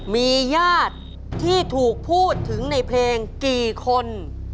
มีญาติที่ถูกพูดถึงในเพลงกี่คน